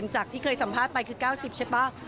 จากที่เคยสัมภาษณ์ไปคือ๙๐ใช่ป่ะ